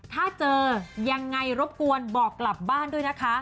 ถ้าเจอยังไงรบกวนบอกกลับบ้านด้วยนะคะ